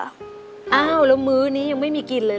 อ้าวแล้วมื้อนี้ยังไม่มีกินเลย